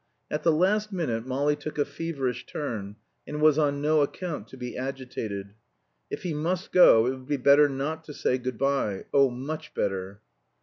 At the last minute Molly took a feverish turn, and was on no account to be agitated. If he must go it would be better not to say Good bye. Oh, much better.